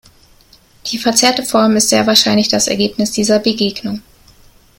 Die verzerrte Form ist sehr wahrscheinlich das Ergebnis dieser Begegnung.